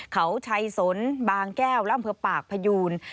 เขาชัยสนบางแก้วและอำเภอปากพยูน